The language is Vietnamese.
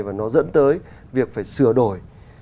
và nó dẫn tới việc phải sửa đổi